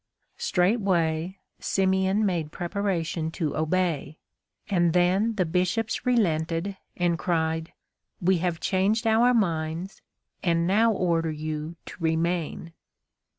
Straightway Simeon made preparation to obey. And then the Bishops relented and cried, "We have changed our minds, and now order you to remain!"